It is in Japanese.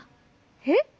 えっ？